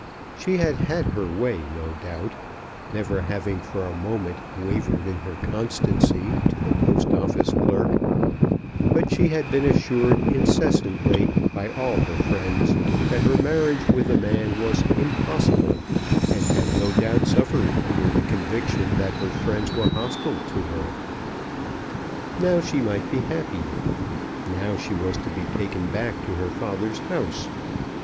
She had had her way no doubt, never having for a moment wavered in her constancy to the Post Office clerk; but she had been assured incessantly by all her friends that her marriage with the man was impossible, and had no doubt suffered under the conviction that her friends were hostile to her. Now she might be happy. Now she was to be taken back to her father's house.